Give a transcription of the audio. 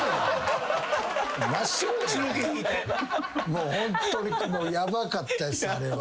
もうホントにヤバかったですあれは。